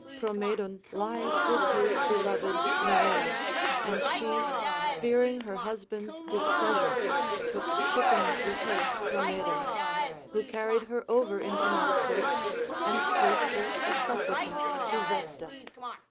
Promedon lies \vith his beloved Ne aera ; and she, fearing her husband's displeasure, took ship ping with her Promedon, who carried her over into Naxos and placed her a supplicant to Testa.